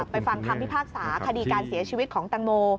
ฟังคำพิพากษาคดีการเสียชีวิตของตังโม